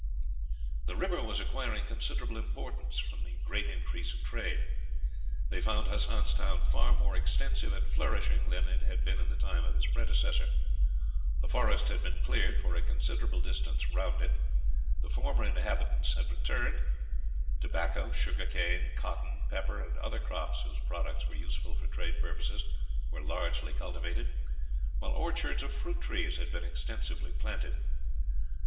The river was acquiring considerable importance from the great increase of trade. They found Hassan's town far more extensive and flourishing than it had been in the time of its predecessor. The forest had been cleared for a considerable distance round it, the former inhabitants had returned, tobacco, sugar canes, cotton, pepper, and other crops whose products were useful for trade purposes, were largely cultivated, while orchards of fruit trees had been extensively planted.